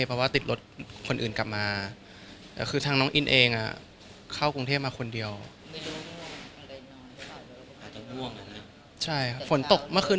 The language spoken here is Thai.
ไม่ใช่แม่ก็ไม่รู้ตรงนี้ไงเดี๋ยวก่อน